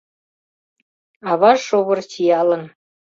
Аваж шовыр чиялын